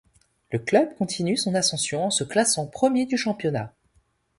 Le club continue son ascension en se classant premier du championnat.